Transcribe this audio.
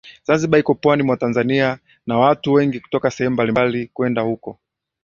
Zanzibar iko pwani mwa Tanzania na watu wengi kutoka sehemu mbalimbali kwenda huko